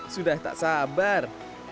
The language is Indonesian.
sudah tak sabar